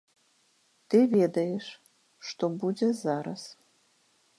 Ты ведаеш, што будзе зараз.